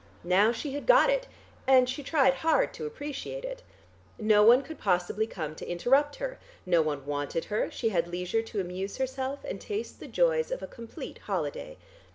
Now she had got it, and she tried hard to appreciate it. No one could possibly come to interrupt her, no one wanted her, she had leisure to amuse herself and taste the joys of a complete holiday.